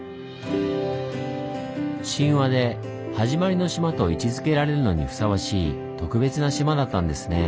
神話で「はじまりの島」と位置づけられるのにふさわしい特別な島だったんですねぇ。